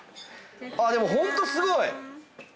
でもホントすごい！